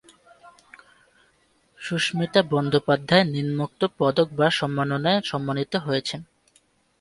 সুস্মিতা বন্দ্যোপাধ্যায় নিম্নোক্ত পদক বা সম্মাননায় সম্মানিত হয়েছেন-